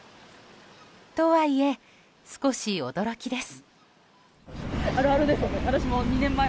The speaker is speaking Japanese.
とはいえ、少し驚きです。